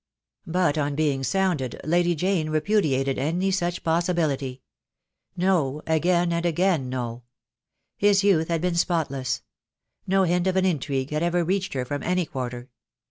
But on being sounded Lady Jane repudiated any such possibility. No, again and again no. His youth had been spotless; no hint of an intrigue had ever reached her from any quarter.